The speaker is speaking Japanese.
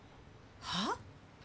はあ？